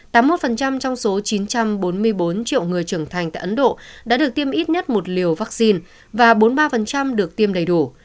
tám mươi một trong số chín trăm bốn mươi bốn triệu người trưởng thành tại ấn độ đã được tiêm ít nhất một liều vaccine và bốn mươi ba được tiêm đầy đủ